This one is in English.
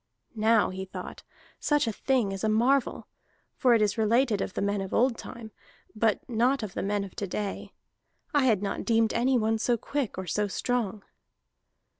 "Now," he thought, "such a thing is a marvel, for it is related of the men of old time, but not of the men of to day. I had not deemed anyone so quick or so strong."